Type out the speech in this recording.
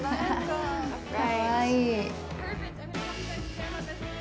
かわいい。